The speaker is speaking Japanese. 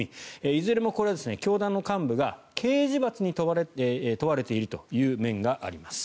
いずれも教団の幹部が刑事罰に問われているという面があります。